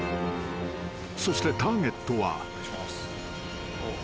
［そしてターゲットは］